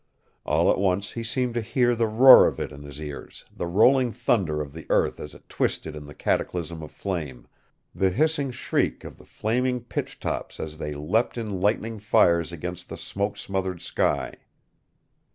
All at once he seemed to hear the roar of it in his ears, the rolling thunder of the earth as it twisted in the cataclysm of flame, the hissing shriek of the flaming pitch tops as they leapt in lightning fires against the smoke smothered sky.